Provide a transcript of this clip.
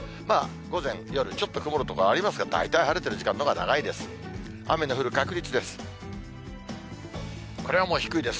午前、夜、ちょっと曇る所ありますが、大体晴れてる時間のほうが長いです。